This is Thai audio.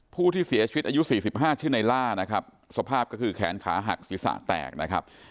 ผู้ที่เสียชีวิตอายุ๔๕ชื่อในล่านะครับสภาพก็คือแขนขาหักศีรษะแตกนะครับ